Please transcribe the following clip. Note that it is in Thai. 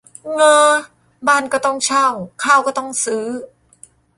เง้อ บ้านก็ต้องเช่า ข้าวก็ต้องซื้อ